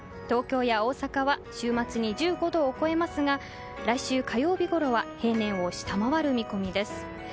東京や大阪は週末に１５度を超えますが来週火曜日ごろは平年を下回る予想です。